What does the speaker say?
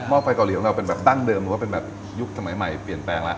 ้อไฟเกาหลีของเราเป็นแบบดั้งเดิมหรือว่าเป็นแบบยุคสมัยใหม่เปลี่ยนแปลงแล้ว